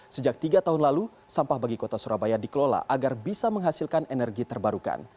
sejak tiga tahun lalu sampah bagi kota surabaya dikelola agar bisa menghasilkan energi terbarukan